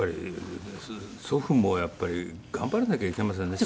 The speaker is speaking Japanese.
祖父もやっぱり頑張らなきゃいけませんね